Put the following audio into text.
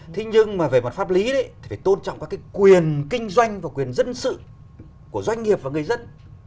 thế nhưng mà về mặt pháp lý thì phải tôn trọng các cái quyền kinh doanh và quyền dân sự của doanh nghiệp và người dân